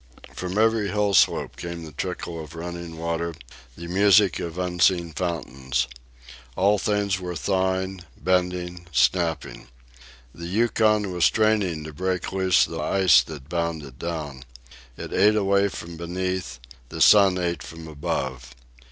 From every hill slope came the trickle of running water, the music of unseen fountains. All things were thawing, bending, snapping. The Yukon was straining to break loose the ice that bound it down. It ate away from beneath; the sun ate from above.